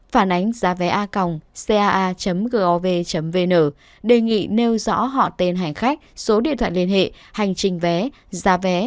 phản ánh giá vé a còng caa gov vn đề nghị nêu rõ họ tên hàng khách số điện thoại liên hệ hành trình vé giá vé